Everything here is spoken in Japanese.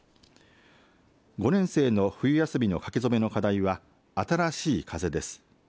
５年生の冬休みの書き初めの課題は新しい風です。